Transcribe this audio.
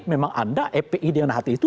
memang anda epi dengan hati itu